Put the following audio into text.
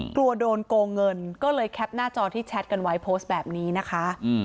กลัวโดนโกงเงินก็เลยแคปหน้าจอที่แชทกันไว้โพสต์แบบนี้นะคะ